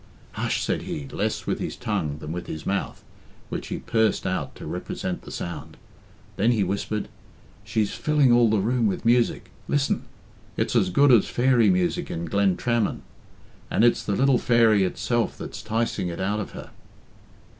"Hush!" said he, less with his tongue than with his mouth, which he pursed out to represent the sound. Then he whispered, "She's filling all the room with music. Listen! It's as good as fairy music in Glentrammon. And it's the little fairy itself that's 'ticing it out of her."